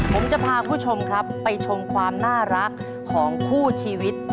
ผมจะพาคุณผู้ชมครับไปชมความน่ารักของคู่ชีวิต